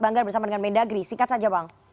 banggar bersama dengan mendagri singkat saja bang